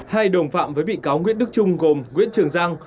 hai đồng phạm với bị cáo nguyễn đức trung gồm nguyễn trường giang